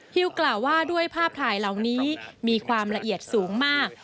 ฮิวกล่าวว่าด้วยภาพถ่ายเหล่านี้มีความละเอียดสูงมาก